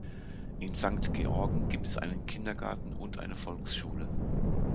In Sankt Georgen gibt es einen Kindergarten und eine Volksschule.